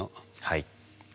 はい。